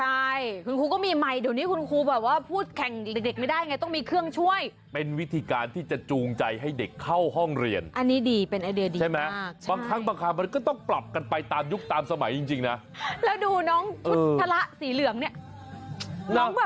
และ็อดูชุดทระสีเหลืองนี่ตั้งตามสมัยจริงนะ